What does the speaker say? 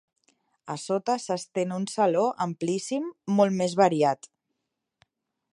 A sota s'estén un saló amplíssim molt més variat.